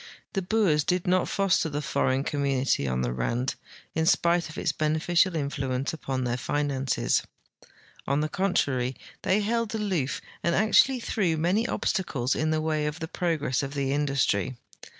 The Boers did not foster the foreign com munity on the Rand, in spite of its beneficial influence upon their finances. On the contrar}^, they held aloof, and actually threw many obstacles in the way of the progress of the industry.